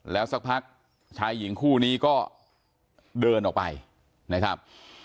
แล้วสักพักชายหญิงคู่นี้ก็เดินออกไปนะครับ